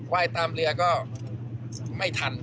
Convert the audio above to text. ยตามเรือก็ไม่ทัน